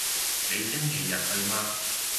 你星期日去嗎？